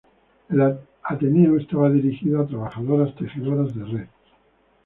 El ateneo estaba dirigido a trabajadoras tejedoras de red.